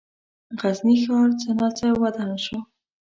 غزني ښار څه ناڅه ودان شو.